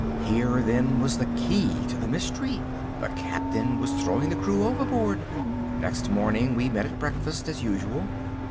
Here then was the key to the mystery! The Captain was throwing the crew overboard. Next morning we met at breakfast as usual.